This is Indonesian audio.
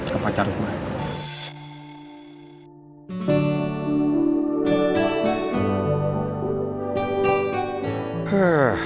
ke pacar gue